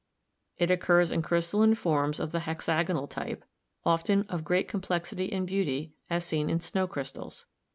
It occurs in crystalline forms of the hexagonal type, often of great complexity and beauty, as seen in snow crystals.